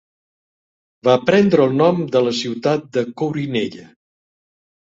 Va prendre el nom de la ciutat de Corinella.